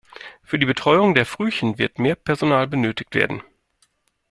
Für die Betreuung der Frühchen wird mehr Personal benötigt werden.